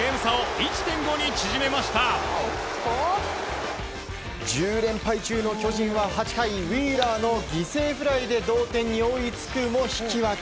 １０連敗中の巨人は８回ウィーラーの犠牲フライで同点に追いつくも引き分け。